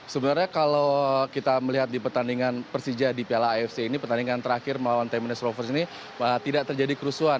sebenarnya kalau kita melihat di pertandingan persija di piala afc ini pertandingan terakhir melawan taman is rovers ini tidak terjadi kerusuhan